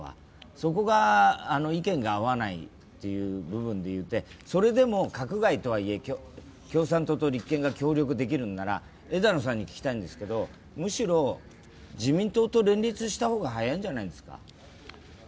そこが意見が合わないという部分があって、それでも閣外とはいえ共産党と立憲が協力できるんならむしろ自民党と連立した方が早いんじゃないですか？